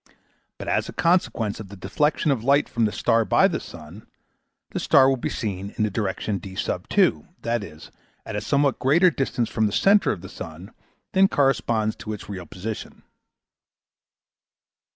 But as a consequence of the deflection of light from the star by the sun, the star will be seen in the direction D, i.e. at a somewhat greater distance from the centre of the sun than corresponds to its real position.